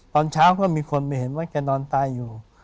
ตอนเช้าก็มีคนไปเห็นว่าแกนอนตายอยู่